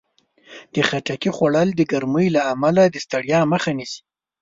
د خټکي خوړل د ګرمۍ له امله د ستړیا مخه نیسي.